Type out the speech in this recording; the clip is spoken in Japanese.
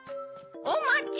おまち！